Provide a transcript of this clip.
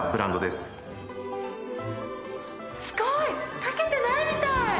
すごい！掛けてないみたい！